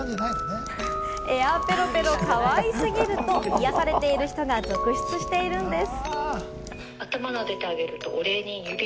エアペロペロかわいすぎると癒やされている人が続出しているんです。